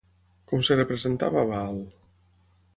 Com es representava Baal?